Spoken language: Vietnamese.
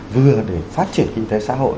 vừa để phát triển kinh tế xã hội